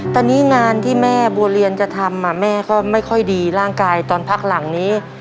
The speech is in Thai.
ตอนนี้งานที่แม่บัวเรียนจะทำแม่ก็ไม่ค่อยดีร่างกายตอนพักหลังนี้